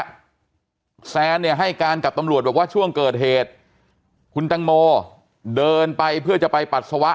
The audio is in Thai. แซนเนี่ยให้การกับตำรวจบอกว่าช่วงเกิดเหตุคุณตังโมเดินไปเพื่อจะไปปัสสาวะ